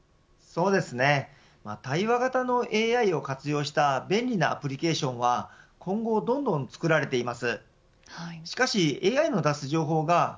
対話型のＡＩを活用した便利なアプリケーションは今後どんどん作られています。